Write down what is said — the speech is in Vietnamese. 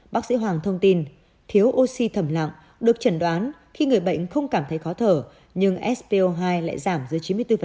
bác sĩ hoàng thông tin thiếu oxy thẩm lặng được chẩn đoán khi người bệnh không cảm thấy khó thở nhưng spo hai lại giảm dưới chín mươi bốn